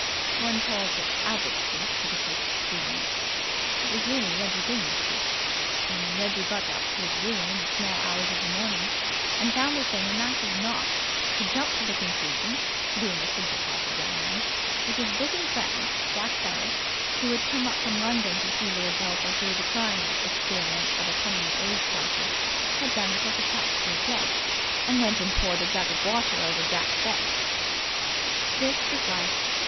(One calls it Albert's sheet for the sake of convenience. It was really Reggie Byng's sheet. And when Reggie got to his room in the small hours of the morning and found the thing a mass of knots he jumped to the conclusion being a simple hearted young man that his bosom friend Jack Ferris, who had come up from London to see Lord Belpher through the trying experience of a coming of age party, had done it as a practical joke, and went and poured a jug of water over Jack's bed. That is Life.